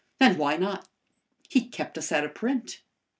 And why not? He kept us out of print.